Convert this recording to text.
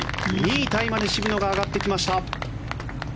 ２位タイまで渋野が上がってきました。